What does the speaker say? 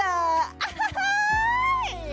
อ้าฮ่า